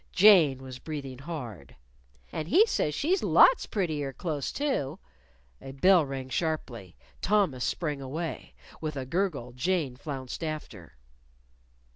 Jane was breathing hard. "And he says she's lots prettier close to " A bell rang sharply. Thomas sprang away. With a gurgle, Jane flounced after.